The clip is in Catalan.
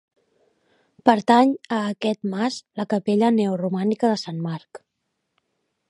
Pertany a aquest mas la capella neoromànica de Sant Marc.